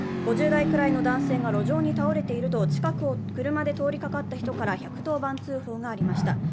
５０代くらいの男性が路上に倒れていると近くを車で通りかかった人から１１０番通報がありました。